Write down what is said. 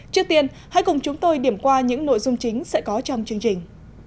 trước tiên hãy cùng chúng tôi điểm qua những nội dung chính sẽ có trong chương trình